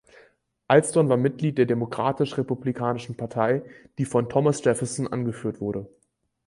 Alston war Mitglied der Demokratisch-Republikanischen Partei, die von Thomas Jefferson angeführt wurde.